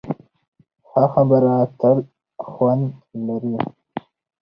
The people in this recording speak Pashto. ښه خبره تل خوند لري.